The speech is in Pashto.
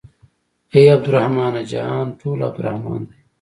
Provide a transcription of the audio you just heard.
اې عبدالرحمنه جهان ټول عبدالرحمن دى.